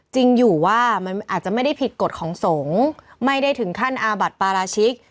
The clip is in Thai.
จริงอยู่ว่ามันอาจจะไม่ได้ผิดกฎของสงฆ์ไม่ได้ถึงขั้นอาบัติปราชิก